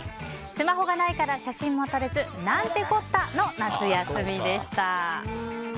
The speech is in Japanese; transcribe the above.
スマホがないから写真も撮れず何てこったの夏休みでした。